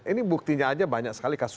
ini buktinya aja banyak sekali kasus